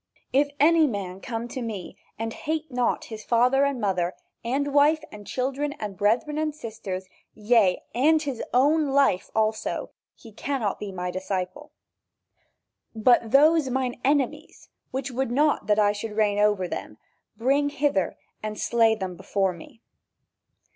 "If any man come to me and hate not his father and mother, and wife, and children and brethren and sisters, yea, and his own life also, he cannot be my disciple." "But those mine enemies, which would not that I should reign over them, bring hither and slay them before me."